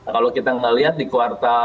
kalau kita melihat di kuartal